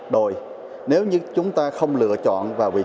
đội nếu như chúng ta không lựa chọn vào vị trí này